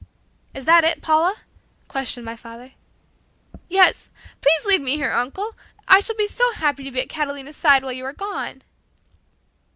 "Is that it, Paula?" questioned my father. "Yes, please leave me here, uncle, I shall be so happy to be at Catalina's side while you are gone."